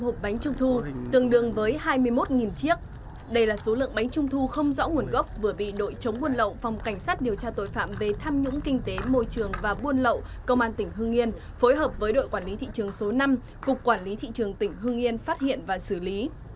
hai hộp bánh trung thu tương đương với hai mươi một chiếc đây là số lượng bánh trung thu không rõ nguồn gốc vừa bị đội chống buôn lậu phòng cảnh sát điều tra tội phạm về tham nhũng kinh tế môi trường và buôn lậu công an tỉnh hương yên phối hợp với đội quản lý thị trường số năm cục quản lý thị trường tỉnh hương yên phát hiện và xử lý